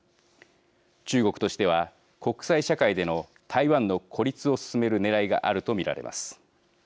中国としては国際社会での台湾の孤立を進めるねらいがあるとみられます。